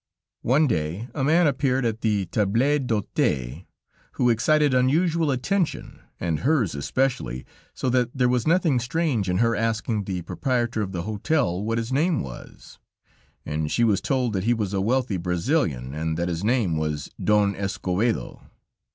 One day a man appeared at the table d'hôte, who excited unusual attention, and hers especially, so that there was nothing strange in her asking the proprietor of the hotel what his name was; and she was told that he was a wealthy Brazilian, and that his name was Don Escovedo.